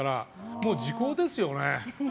もう時効ですよね。